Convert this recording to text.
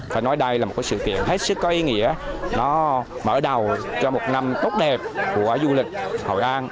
phải nói đây là một sự kiện hết sức có ý nghĩa nó mở đầu cho một năm tốt đẹp của du lịch hội an